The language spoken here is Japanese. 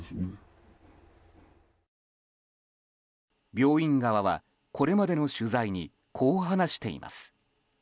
病院側は、これまでの取材にこう話しています。